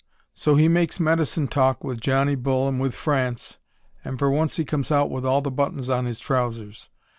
So he makes medicine talk with Johnny Bull and with France, and for once he comes out with all the buttons on his trousers.